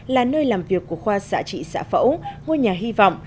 là nơi làm việc của khoa xạ trị xã phẫu ngôi nhà hy vọng